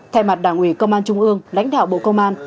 thay mặt đảng ủy công an trung ương lãnh đạo bộ công an